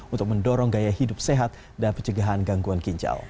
untuk mendorong gaya hidup sehat dan pencegahan gangguan ginjal